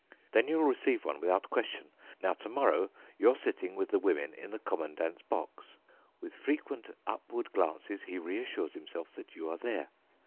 Then you'll receive one without question. Now, tomorrow you are sitting with the women in the commandant's box. With frequent upward glances he reassures himself that you are there.